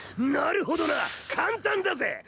なるほどな簡単だぜ。